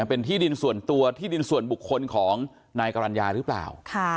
เป็นที่ดินส่วนตัวที่ดินส่วนบุคคลของนายกรรณญาหรือเปล่า